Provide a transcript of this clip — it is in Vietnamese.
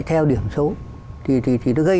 theo điểm số thì nó gây